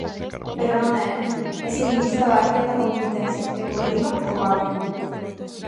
Pero non é, é seguidista da acción da Complutense, e por riba, covarde.